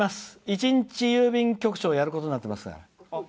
一日郵便局長をやることになってますから。